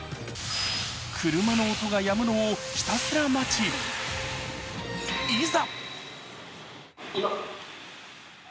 車の音がやむのをひたすら待ち、いざ。